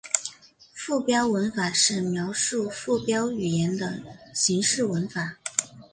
附标文法是描述附标语言的形式文法。